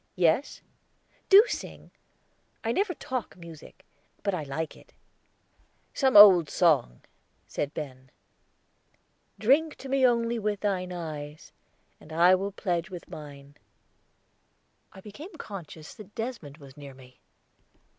"Yes." "Do sing. I never talk music; but I like it." "Some old song," said Ben. Singing "Drink to me only with thine eyes, And I will pledge with mine," I became conscious that Desmond was near me.